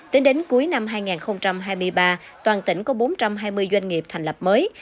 tính đến cuối năm hai nghìn hai mươi ba toàn tỉnh có bốn trăm hai mươi doanh nghiệp thành lập mới